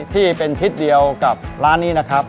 ที่เป็นทิศเดียวกับร้านนี้นะครับ